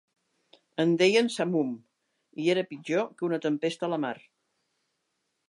En deien samum i era pitjor que una tempesta a la mar.